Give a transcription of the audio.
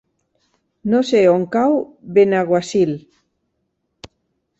No sé on cau Benaguasil.